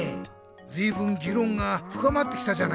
ずいぶんぎろんがふかまってきたじゃないか。